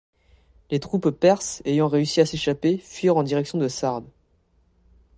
Les troupes perses ayant réussi à s'échapper fuirent en direction de Sardes.